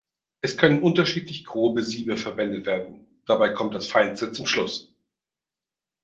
Es können unterschiedlich grobe Siebe verwendet werden, dabei kommt das feinste zum Schluss.